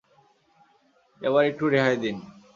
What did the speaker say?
এবার একটু রেহাই দিন!